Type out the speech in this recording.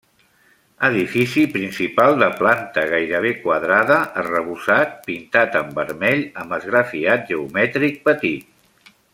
Edifici principal de planta gairebé quadrada, arrebossat, pintat en vermell, amb esgrafiat geomètric petit.